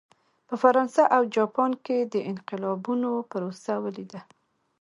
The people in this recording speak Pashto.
په فرانسه او جاپان کې د انقلابونو پروسه ولیده.